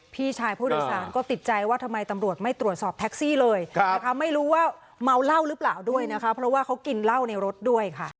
พี่ชายผู้โดยสารก็ติดใจว่าทำไมตำรวจไม่ตรวจสอบแท็กซี่เลยนะคะไม่รู้ว่าเมาเหล้าหรือเปล่าด้วยนะคะเพราะว่าเขากินเหล้าในรถด้วยค่ะ